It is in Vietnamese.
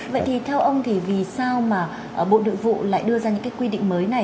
vậy thì theo ông thì vì sao mà bộ nội vụ lại đưa ra những cái quy định mới này